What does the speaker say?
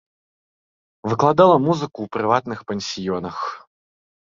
Выкладала музыку ў прыватных пансіёнах.